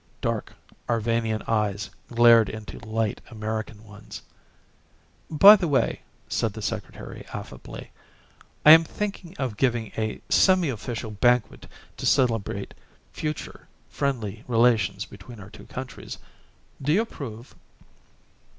Dark Arvanian eyes glared into light American ones. "By the way," said the Secretary affably, "I am thinking of giving a semi official banquet to celebrate future, friendly relations between our two countries. Do you approve?"